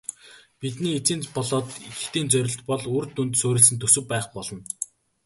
Бидний эцсийн болоод хэтийн зорилт бол үр дүнд суурилсан төсөв байх болно.